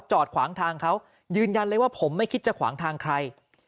จอดขวางทางเขายืนยันเลยว่าผมไม่คิดจะขวางทางใคร